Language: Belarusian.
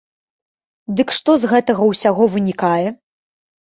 Дык што з гэтага ўсяго вынікае?